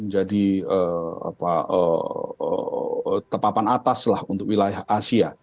jadi tepapan atas lah untuk wilayah asia